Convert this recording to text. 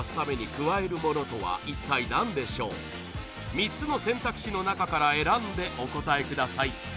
３つの選択肢の中から選んでお答えください